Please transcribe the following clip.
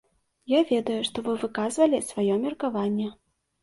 Я ведаю, што вы выказвалі сваё меркаванне.